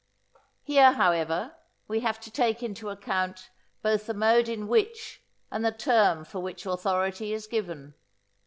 Here, however, we have to take into account both the mode in which, and the term for which authority is given.